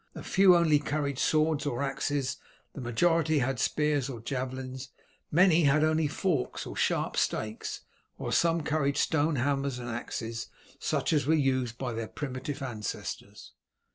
A few only carried swords or axes, the majority had spears or javelins. Many had only forks or sharp stakes, while some carried stone hammers and axes, such as were used by their primitive ancestors.